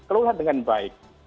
kelola dengan baik